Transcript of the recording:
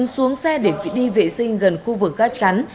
xuống xe để đi vệ sinh gần khu vực gác chắn